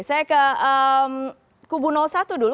saya ke kubu satu dulu